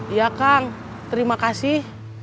iya kang terima kasih